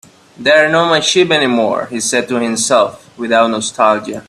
"They're not my sheep anymore," he said to himself, without nostalgia.